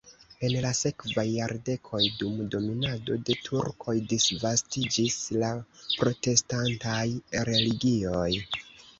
En la sekvaj jardekoj dum dominado de turkoj disvastiĝis la protestantaj religioj.